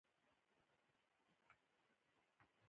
بایسکل د تفریح یوه ښه وسیله ده.